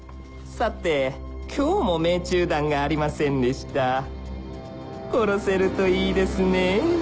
さて今日も命中弾がありませんでした殺せるといいですねえ